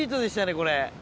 これ。